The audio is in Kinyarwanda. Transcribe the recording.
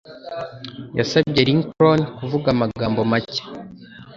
Yasabye Lincoln kuvuga amagambo make.